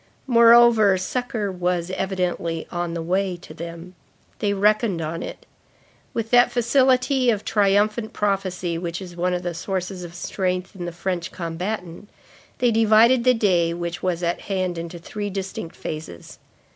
Moreover, succor was, evidently, on the way to them. They reckoned on it. With that facility of triumphant prophecy which is one of the sources of strength in the French combatant, they divided the day which was at hand into three distinct phases.